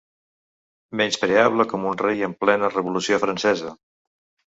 Menyspreable com un rei en plena Revolució Francesa.